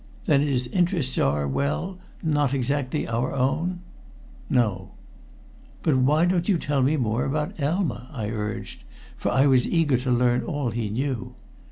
"Then his interests are well, not exactly our own?" "No." "But why don't you tell me more about Elma?" I urged, for I was eager to learn all he knew.